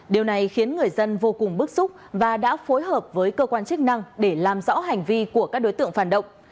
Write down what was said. điều này khiến người dân vô cùng bức xúc và đã phối hợp với cơ quan chức năng để làm rõ hành vi của các đối tượng phản động